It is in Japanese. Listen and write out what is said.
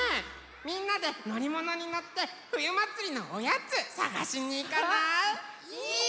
みんなでのりものにのってふゆまつりのおやつさがしにいかない？